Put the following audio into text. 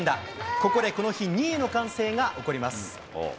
ここでこの日２位の歓声が起こります。